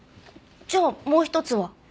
じゃあもう一つは？